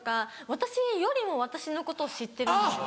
私よりも私のことを知ってるんですよ。